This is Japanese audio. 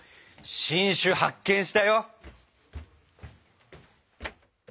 新種発見したよ！